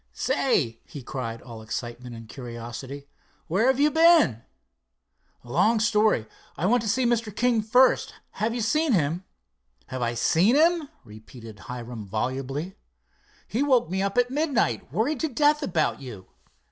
"Say," he cried, all excitement and curiosity, "where have you been?" "Long story. Want to see Mr. King first. Have you seen him?" "Have I seen him?" repeated Hiram volubly. "He woke me up at midnight, worried to death about you.